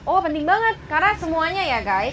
oh penting banget karena semuanya ya kan